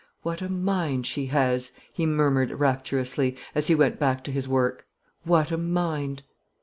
"What a mind she has!" he murmured rapturously, as he went back to his work; "what a mind!"